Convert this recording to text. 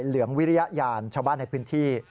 เหลืองวิริยานชาวบ้านในพื้นที่